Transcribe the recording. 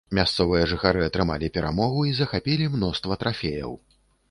Мясцовыя жыхары атрымалі перамогу і захапілі мноства трафеяў.